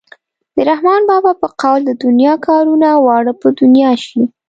د رحمان بابا په قول د دنیا کارونه واړه په دنیا شي.